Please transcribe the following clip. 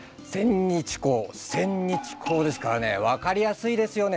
千日紅ですからね分かりやすいですよね。